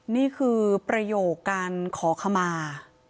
นี่คือประโยคการขอขมา